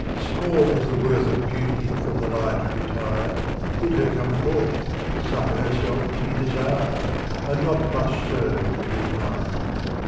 Small is the worth Of beauty from the light retir'd: Bid her come forth, Suffer herself to be desir'd, And not blush so to be admir'd.